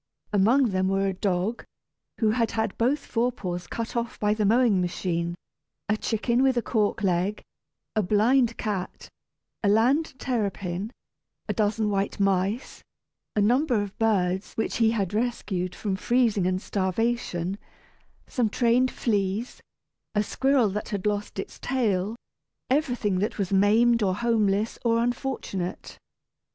Among them were a dog, who had had both fore paws cut off by the mowing machine, a chicken with a cork leg, a blind cat, a land terrapin, a dozen white mice, a number of birds which he had rescued from freezing and starvation, some trained fleas, a squirrel that had lost its tail everything that was maimed, or homeless, or unfortunate.